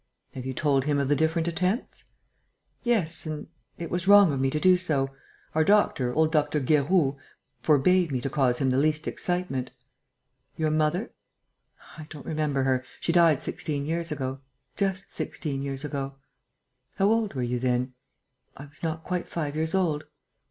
"Have you told him of the different attempts?" "Yes; and it was wrong of me to do so. Our doctor, old Dr. Guéroult, forbade me to cause him the least excitement." "Your mother?..." "I don't remember her. She died sixteen years ago ... just sixteen years ago." "How old were you then?" "I was not quite five years old."